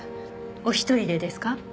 お一人でですか？